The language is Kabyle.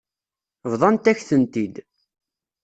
Bḍant-ak-tent-id.